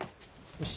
よし。